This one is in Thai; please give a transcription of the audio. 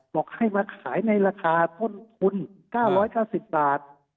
บอกให้มาขายในราคาต้นทุน๙๙๐บาท